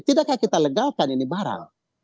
tidakkah kita legalkan ini barang